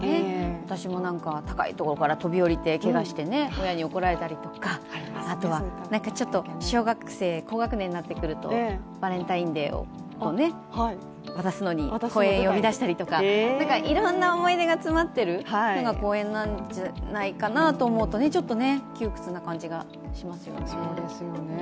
私も、高いところから飛び降りてけがして親に怒られたりとか、あとは小学生高学年になってくるとバレンテインデーを渡すのに公園に呼び出したりとかいろんな思い出が詰まってる公園なんじゃないかと思うとちょっと窮屈な感じがしますよね。